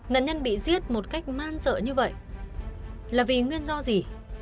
nạn nhân bị giết một cách man dợ như vậy là vì nguyên do gì